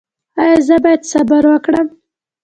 ایا زه باید صبر وکړم؟